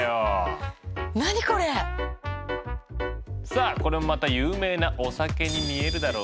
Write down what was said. さあこれもまた有名なお酒に見えるだろ。